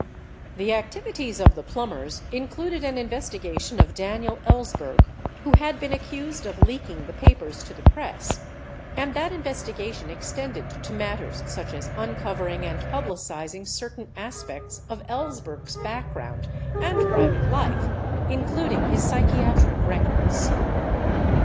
66 The activities of the Plumbers included an investigation of Daniel Ellsberg, who had been accused of leaking the papers to the press, and that investigation extended to matters such as uncovering and publicizing certain aspects of Ells berg's background and private life including his psychiatric records.